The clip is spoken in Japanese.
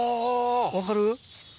分かる？